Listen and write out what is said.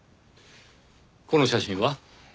この写真は？